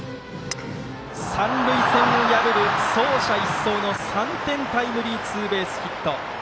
三塁線を破る走者一掃の３点タイムリーツーベースヒット。